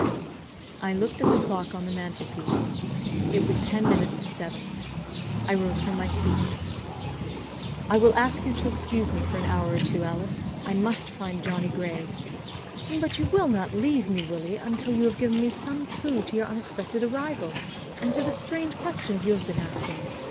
I looked at the clock on the mantel piece. It was ten minutes to seven, I rose from my seat. "I will ask you to excuse me for an hour or two, Alice. I must find Johnny Gray." "But you will not leave me, Willie, until you have given me some clue to your unexpected arrival, and to the strange questions you have been asking?